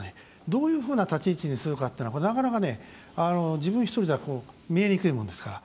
どういうふうな立ち位置にするかっていうのはこれ、なかなかね、自分１人じゃ見えにくいものですから。